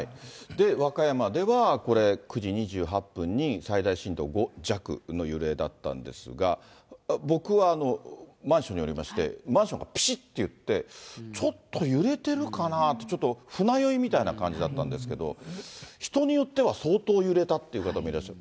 和歌山ではこれ、９時２８分に最大震度５弱の揺れだったんですが、僕はマンションにおりまして、マンションがぴしっていって、ちょっと揺れてるかな？と、ちょっと船酔いみたいな感じだったんですけど、人によっては相当揺れたっていう方もいらっしゃる。